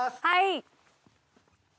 はい！